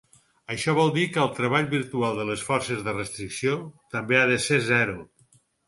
Això vol dir que el treball virtual de les forces de restricció també ha de ser zero.